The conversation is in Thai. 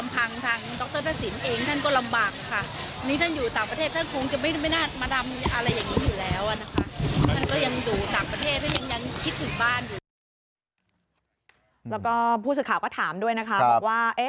ผู้ศึกข่าก็ถามด้วยนะคะบอกว่าเอ๊ะ